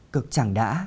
cực chẳng đã